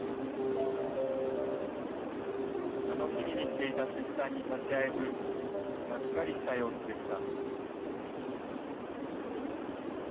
楽しみにしていた出産に立ち会えず、がっかりした様子でした。